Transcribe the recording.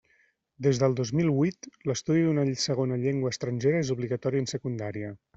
Des del dos mil huit, l'estudi d'una segona llengua estrangera és obligatori en Secundària.